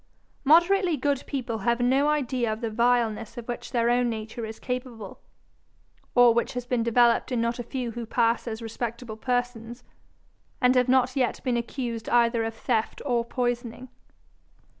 Moderately good people have no idea of the vileness of which their own nature is capable, or which has been developed in not a few who pass as respectable persons, and have not yet been accused either of theft or poisoning.